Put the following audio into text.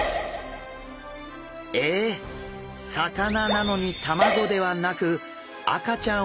魚なのに卵ではなくえっ赤ちゃん？